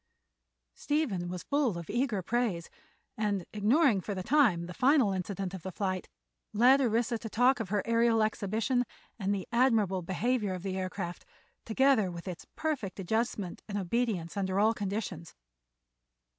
Stephen was full of eager praise and, ignoring for the time the final incident of the flight, led Orissa to talk of her aërial exhibition and the admirable behavior of the aircraft, together with its perfect adjustment and obedience under all conditions.